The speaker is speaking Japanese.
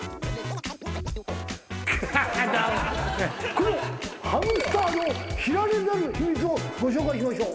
このハムスターの知られざる秘密をご紹介しましょう。